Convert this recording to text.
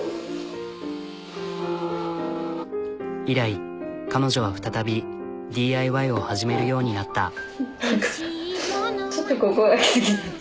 以来彼女は再びＤＩＹを始めるようになった。